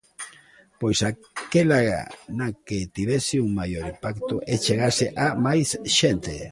Pois aquela na que tivese un maior impacto e chegase a máis xente.